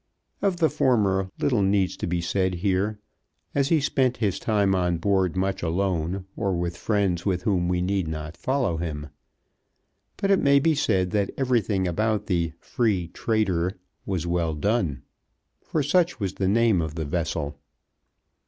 Of the former little need be said here, as he spent his time on board much alone, or with friends with whom we need not follow him; but it may be said that everything about the Free Trader was done well, for such was the name of the vessel.